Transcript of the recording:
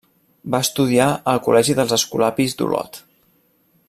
Va estudiar al col·legi dels escolapis d'Olot.